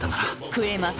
食えます！